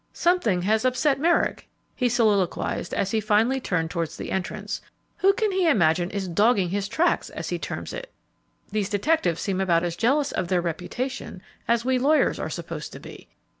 "Something has upset Merrick," he soliloquized, as he finally turned towards the entrance; "who can he imagine is 'dogging' his tracks, as he terms it? These detectives seem about as jealous of their reputation as we lawyers are supposed to be.